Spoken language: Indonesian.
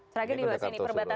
sragen di luar sini perbatasan